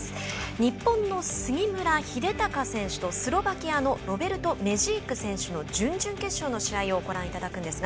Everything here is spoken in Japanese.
日本の杉村英孝選手とスロバキアのロベルト・メジーク選手の準々決勝の試合をご覧いただくんですが。